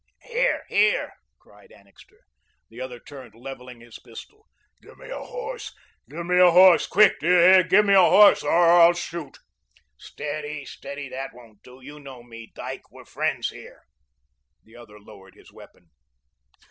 "Here, here," cried Annixter. The other turned, levelling his pistol. "Give me a horse, give me a horse, quick, do you hear? Give me a horse, or I'll shoot." "Steady, steady. That won't do. You know me, Dyke. We're friends here." The other lowered his weapon.